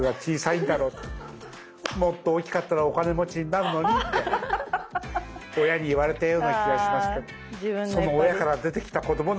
もっと大きかったらお金持ちになるのにって親に言われたような気がしますけどその親から出てきた子供なんですけどね。